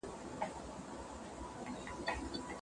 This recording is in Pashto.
که تاسو حق وواياست نو ټول خلګ به مو درناوی وکړي.